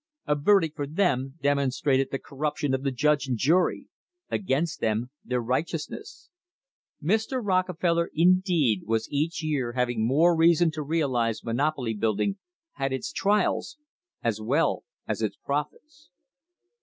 A verdict for them demonstrated the corruption of the judge and jury; against them their righteousness. Mr. Rockefeller, indeed, was each year having more reason to realise monopoly build ing had its trials as wells as its profits.